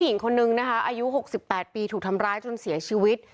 หญิงคนนึงนะคะอายุ๖๘ปีถูกทำร้ายจนเสียชีวิต